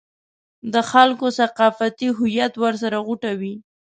د خلکو ثقافتي هویت ورسره غوټه وي.